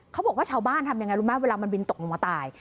เขาบอกว่าชาวบ้านทำอย่างไรรู้ไหมเวลามันบินตกลงมาตาย